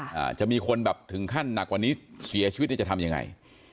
อาจจะมีคนแบบถึงขั้นหนักกว่านี้เสียชีวิตเนี่ยจะทำยังไง